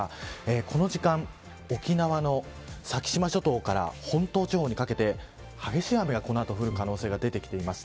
この時間、沖縄の先島諸島から本島までかけて激しい雨が降る可能性があります。